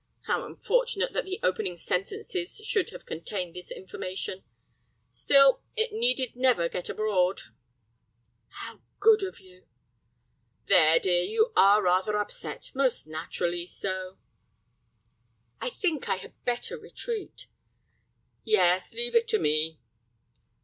How unfortunate that the opening sentences should have contained this information. Still, it need never get abroad." "How good of you!" "There, dear, you are rather upset, most naturally so—" "I think I had better retreat." "Yes, leave it to me."